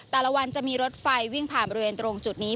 แต่ละวันจะมีรถไฟวิ่งผ่านบริเวณตรงจุดนี้